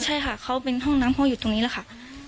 ใช่ค่ะเขาเป็นห้องน้ำห้องอยู่ตรงนี้แหละค่ะ